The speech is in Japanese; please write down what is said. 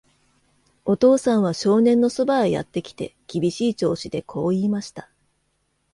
お父さんは少年のそばへやってきて、厳しい調子でこう言いました。